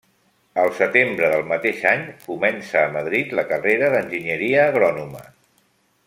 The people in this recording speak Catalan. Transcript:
Al setembre del mateix any, comença a Madrid la carrera d'Enginyeria Agrònoma.